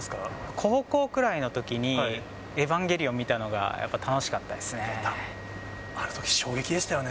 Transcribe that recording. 高校くらいのときに、エヴァンゲリオン見たのがやっぱ楽しかったですね。